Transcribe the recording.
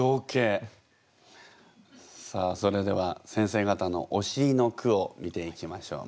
さあそれでは先生方の「おしり」の句を見ていきましょう。